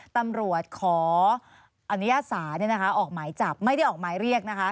ตำรวจขออนุญาตศาลออกหมายจับไม่ได้ออกหมายเรียกนะคะ